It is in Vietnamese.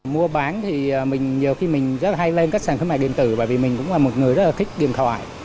mua bán thì nhiều khi mình rất hay lên các sản phẩm điện tử bởi vì mình cũng là một người rất là thích điện thoại